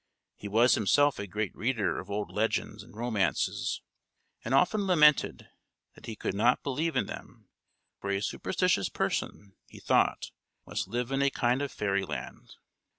He was himself a great reader of old legends and romances, and often lamented that he could not believe in them; for a superstitious person, he thought, must live in a kind of fairyland.